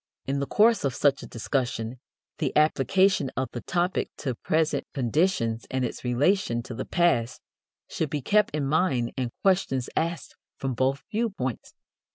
In the course of such a discussion the application of the topic to present conditions and its relation to the past should be kept in mind and questions asked from both viewpoints.